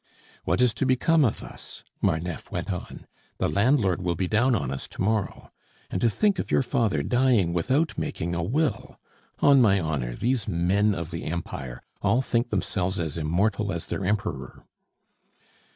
"What is to become of us?" Marneffe went on. "The landlord will be down on us to morrow. And to think of your father dying without making a will! On my honor, those men of the Empire all think themselves as immortal as their Emperor."